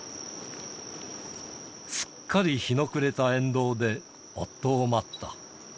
すっかり日の暮れた沿道で、夫を待った。